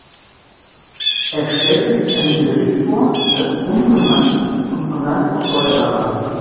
Er stellte sich ein Gerät vor, das unbemannt und von Land aus steuerbar war.